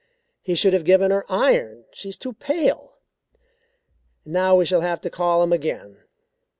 He should have given her iron, she's too pale. Now we shall have to call him again.